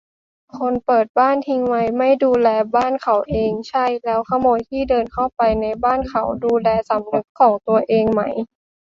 คนเปิดบ้านทิ้งไว้ ไม่ดูแลบ้านเขาเอง ใช่ - แล้วขโมยที่เดินเข้าไปในบ้านเขา ดูแลสำนึกของตัวเองไหม ?